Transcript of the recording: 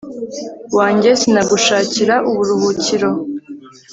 wanjye sinagushakira uburuhukiro